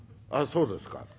「あっそうですか。